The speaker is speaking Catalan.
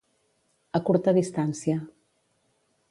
A curta distància.